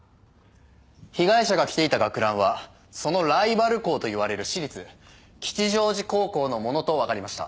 被害者が着ていた学ランはそのライバル高といわれる私立吉祥寺高校のものとわかりました。